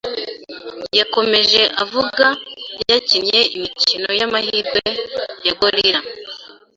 Yakomeje avuga yakinnye imikino y’amahirwe ya Gorilla